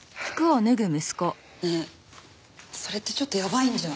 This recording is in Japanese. ねえそれってちょっとやばいんじゃ。